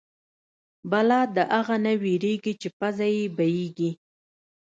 بلا د اغه نه وېرېږي چې پزه يې بيېږي.